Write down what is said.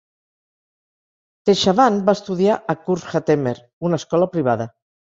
Dechavanne va estudiar a Cours Hattemer, una escola privada.